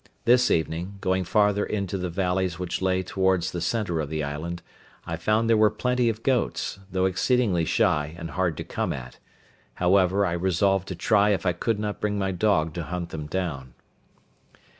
This evening, going farther into the valleys which lay towards the centre of the island, I found there were plenty of goats, though exceedingly shy, and hard to come at; however, I resolved to try if I could not bring my dog to hunt them down.